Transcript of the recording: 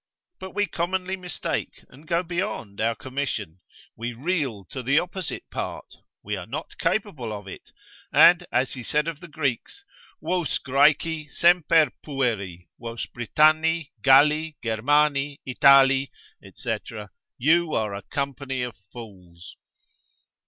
But we commonly mistake, and go beyond our commission, we reel to the opposite part, we are not capable of it, and as he said of the Greeks, Vos Graeci semper pueri, vos Britanni, Galli, Germani, Itali, &c. you are a company of fools.